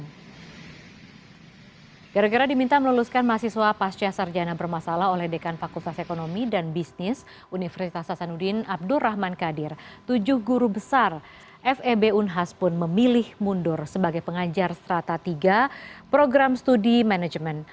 gara gara diminta meluluskan mahasiswa pasca sarjana bermasalah oleh dekan fakultas ekonomi dan bisnis universitas hasanuddin abdurrahman kadir tujuh guru besar feb unhas pun memilih mundur sebagai pengajar serata tiga program studi manajemen